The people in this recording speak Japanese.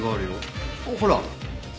ほら。